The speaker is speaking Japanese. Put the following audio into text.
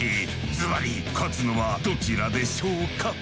ずばり勝つのはどちらでしょうか？